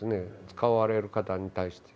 使われる方に対して。